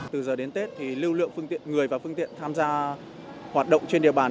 từ giờ đến tết thì lưu lượng phương tiện người và phương tiện tham gia hoạt động trên địa bàn